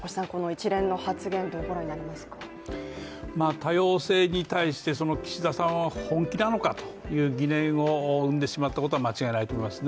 多様性に対して、岸田さんは本気なのかという疑念を生んでしまったことは間違いないと思いますね。